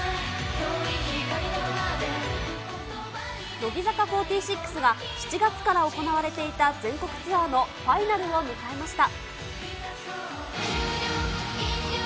乃木坂４６が、７月から行われていた全国ツアーのファイナルを迎えました。